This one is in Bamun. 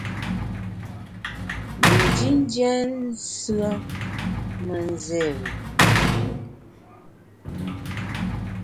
Ndindiem nsùen me nzéri i.